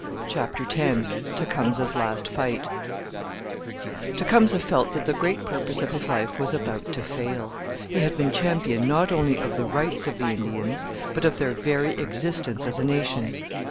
CHAPTER X TECUMSEH'S LAST FIGHT Tecumseh felt that the great purpose of his life was about to fail. He had been champion not only of the rights of the Indians, but of their very existence as a nation.